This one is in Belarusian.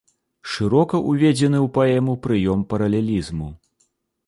Шырока ўведзены ў паэму прыём паралелізму.